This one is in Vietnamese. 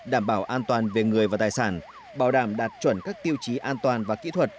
đảm bảo an toàn về người và tài sản bảo đảm đạt chuẩn các tiêu chí an toàn và kỹ thuật